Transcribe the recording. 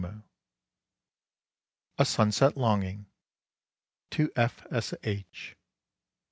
A Sunset Longing. TO F. S. H.